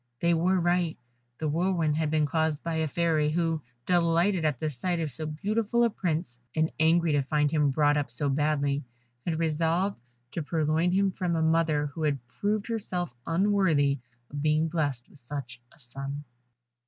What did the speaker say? They were right, the whirlwind had been caused by a Fairy, who, delighted at the sight of so beautiful a Prince, and angry to find him brought up so badly, had resolved to purloin him from a mother who had proved herself unworthy of being blessed with such a son.